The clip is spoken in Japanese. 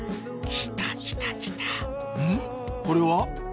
これは？